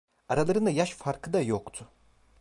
Aralarında yaş farkı da yoktu.